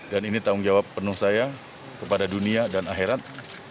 dan ini tanggung jawab penuh saya kepada dunia dan akhirat